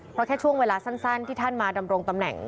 เพราะแค่ช่วงเวลาสั้นที่ท่านมาดำรงตำแหน่ง